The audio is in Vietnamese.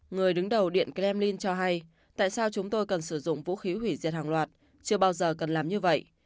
người đứng đầu điện kremlin cho hay tại sao chúng tôi cần sử dụng vũ khí hủy diệt hàng loạt chưa bao giờ cần làm như vậy